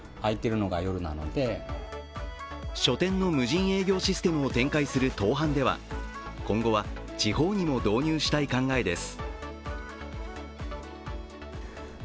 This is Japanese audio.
書店の無人営業システムを展開するトーハンでは今後は、地方にも導入したい考えです。